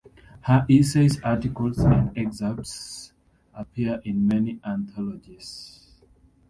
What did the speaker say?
Her essays, articles, and excerpts appear in many anthologies.